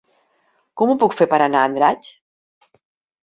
Com ho puc fer per anar a Andratx?